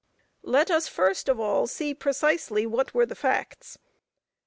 Let us first of all see precisely what were the facts.